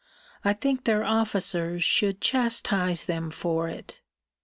I think their officers should chastise them for it.